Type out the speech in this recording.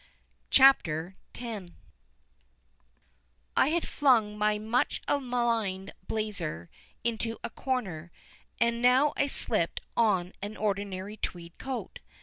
CHAPTER X I had flung my much maligned blazer into a corner, and now I slipped on an ordinary tweed coat.